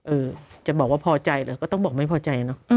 จะบอกว่าพอใจเหรอก็ต้องบอกไม่พอใจเนอะ